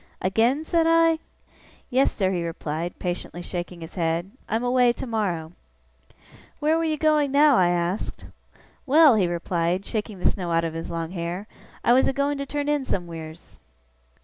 'Again?' said I. 'Yes, sir,' he replied, patiently shaking his head, 'I'm away tomorrow.' 'Where were you going now?' I asked. 'Well!' he replied, shaking the snow out of his long hair, 'I was a going to turn in somewheers.